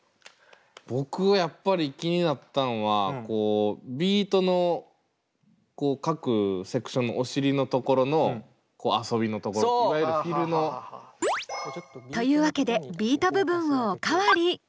僕はやっぱり気になったんはこうビートの各セクションのお尻のところのこう遊びのところいわゆるフィルの。というわけでビート部分をお代わり。